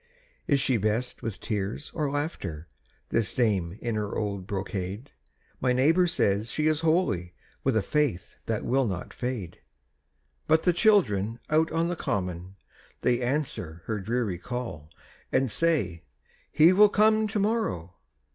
Is she best with tears or laughter, This dame in her old brocade? My neighbour says she is holy, With a faith that will not fade. But the children out on the common They answer her dreary call, And say: "He will come to morrow!"